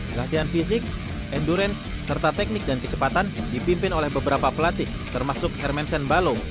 pelatihan fisik endurance serta teknik dan kecepatan dipimpin oleh beberapa pelatih termasuk hermen senbalo